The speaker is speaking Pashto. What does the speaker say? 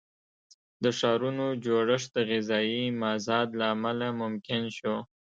د ښارونو جوړښت د غذایي مازاد له امله ممکن شو.